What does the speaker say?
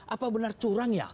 apa benar curang ya